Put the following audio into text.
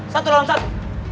satu dalam satu